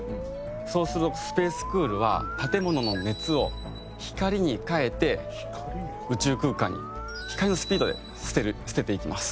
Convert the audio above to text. そうするとＳＰＡＣＥＣＯＯＬは建物の熱を光に変えて宇宙空間に光のスピードで捨てていきます。